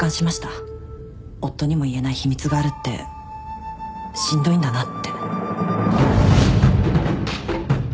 夫にも言えない秘密があるってしんどいんだなって。